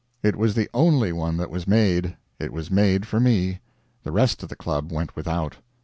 It was the only one that was made. It was made for me; the "rest of the Club" went without.